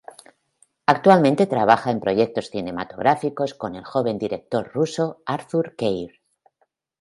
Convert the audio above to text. Actualmente trabaja en proyectos cinematográficos con el joven director ruso Arthur Keir.